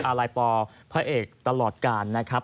อะไรปอพระเอกตลอดการนะครับ